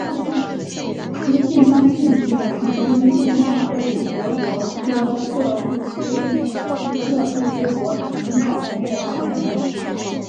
资讯通信及媒体中心图书馆位于德国科特布斯市内的科特布斯勃兰登堡工业大学内。